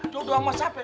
jodoh sama siapa